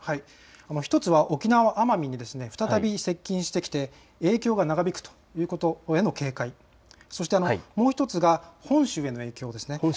１つは沖縄・奄美に再び接近してきて影響が長引くということへの警戒、そしてもう１つが本州への影響です。